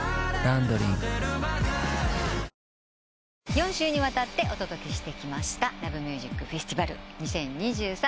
４週にわたってお届けしてきました「ＬＯＶＥＭＵＳＩＣＦＥＳＴＩＶＡＬ２０２３」